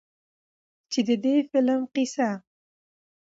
چې د دې فلم قيصه